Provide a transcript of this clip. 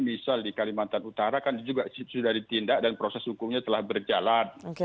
misal di kalimantan utara kan juga sudah ditindak dan proses hukumnya telah berjalan